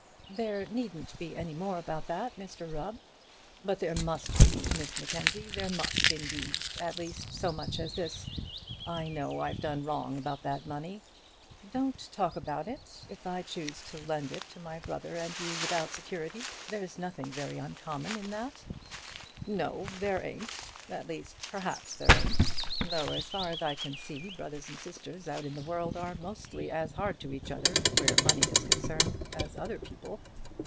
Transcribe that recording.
"There needn't be any more about that, Mr Rubb." "But there must be, Miss Mackenzie; there must, indeed; at least, so much as this. I know I've done wrong about that money." "Don't talk about it. If I choose to lend it to my brother and you without security, there's nothing very uncommon in that." "No; there ain't; at least perhaps there ain't. Though as far as I can see, brothers and sisters out in the world are mostly as hard to each other where money is concerned as other people.